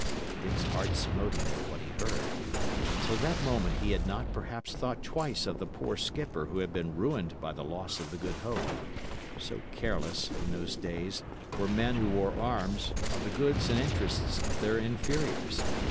Dick's heart smote him at what he heard. Until that moment he had not perhaps thought twice of the poor skipper who had been ruined by the loss of the Good Hope; so careless, in those days, were men who wore arms of the goods and interests of their inferiors.